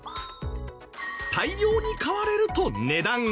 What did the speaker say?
大量に買われると値段が上がる。